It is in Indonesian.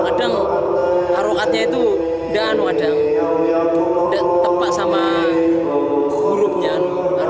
kadang al quran itu tidak tepat sama hurufnya